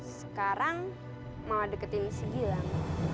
sekarang mau deketin si gilang